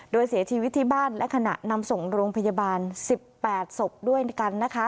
โดยเสียชีวิตที่บ้านและขณะนำส่งโรงพยาบาล๑๘ศพด้วยกันนะคะ